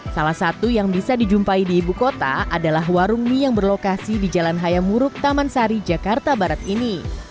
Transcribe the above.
salah satu yang bisa dijumpai di ibu kota adalah warung mie yang berlokasi di jalan hayamuruk taman sari jakarta barat ini